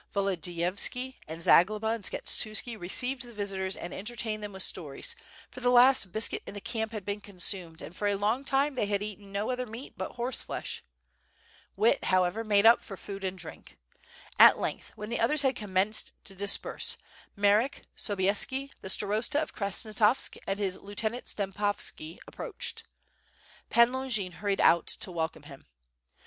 Volodiyov ski and Zagloba and Skshetuski received the visitors and en tertained them with stories, for the last biscuit in the camp had been consumed and for a long time they had eaten no other meat but horse flesh. Wit, however, made up for food and drink. At length when the others had commenced to dis perse, Marek, Sobieski, the Starosta of Krasnostavsk and his lieutenant Stempovski approached. Pan Longin hurried out to welcome him.